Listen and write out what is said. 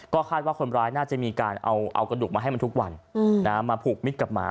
คาดว่าคนร้ายน่าจะมีการเอากระดูกมาให้มันทุกวันมาผูกมิดกับหมา